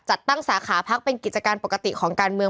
จัดตั้งสาขาพักเป็นกิจการปกติของการเมือง